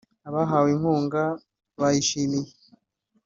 Abahawe inkunga bayishimiye